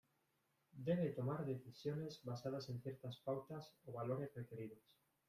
Debe tomar decisiones basadas en ciertas pautas o valores requeridos.